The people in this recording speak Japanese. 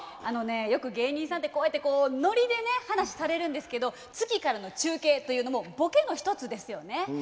あのねよく芸人さんってこうやってノリでね話しされるんですけど月からの中継というのもボケの一つですよね。